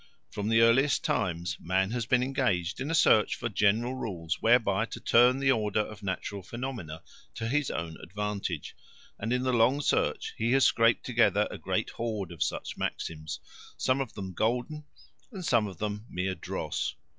From the earliest times man has been engaged in a search for general rules whereby to turn the order of natural phenomena to his own advantage, and in the long search he has scraped together a great hoard of such maxims, some of them golden and some of them mere dross.